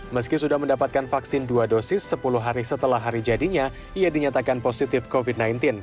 meski sudah mendapatkan vaksin dua dosis sepuluh hari setelah hari jadinya ia dinyatakan positif covid sembilan belas